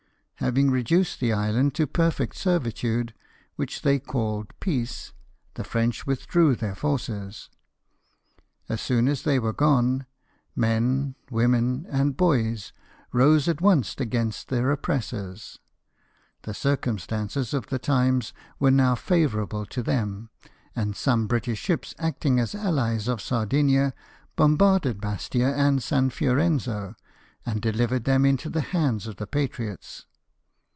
Having reduced the island to perfect servitude, which they called peace, the French withdrew their forces. As soon as they were gone, men, women, and boys rose at once against their oppressors. The circumstances of the times were now favourable to them ; and some British ships, acting as allies of Sardinia, bombarded Bastia and San Fiorenzo, and delivered them into the hands of the patriots.